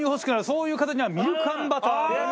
そういう方にはミルクあんバターも。